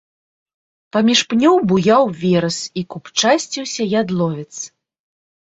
Паміж пнёў буяў верас і купчасціўся ядловец.